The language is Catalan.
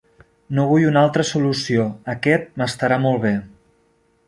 No vull una altra solució, aquest m'estarà molt bé.